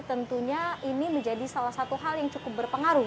tentunya ini menjadi salah satu hal yang cukup berpengaruh